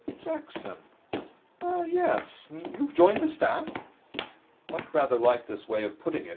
'Jackson? Ah, yes. You have joined the staff?' Mike rather liked this way of putting it.